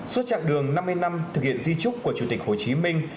suốt chặng đường năm mươi năm thực hiện di trúc của chủ tịch hồ chí minh